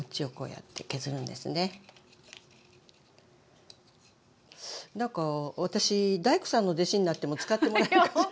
なんか私大工さんの弟子になっても使ってもらえるかしら。